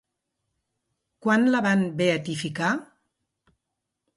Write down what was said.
Quan la van beatificar?